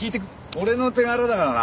俺の手柄だからな。